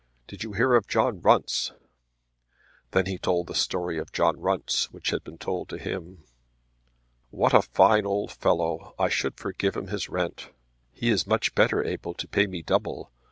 Did you hear of John Runce?" Then he told the story of John Runce, which had been told to him. "What a fine old fellow! I should forgive him his rent." "He is much better able to pay me double.